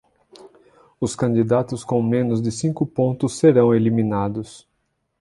Os candidatos com menos de cinco pontos serão eliminados.